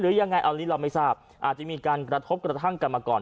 ยังไงอันนี้เราไม่ทราบอาจจะมีการกระทบกระทั่งกันมาก่อน